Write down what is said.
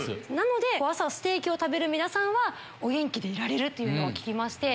朝ステーキを食べる皆さんはお元気でいられると聞きまして。